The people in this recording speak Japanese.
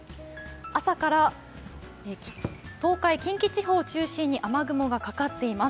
朝から東海、近畿地方を中心に雨雲がかかっています。